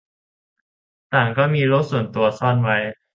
ต่างก็มีโลกส่วนตัวซ่อนไว้